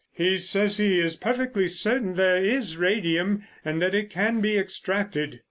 He says he is perfectly certain there is radium and that it can be extracted.